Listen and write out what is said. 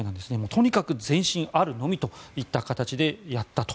とにかく前進あるのみといった形でやったと。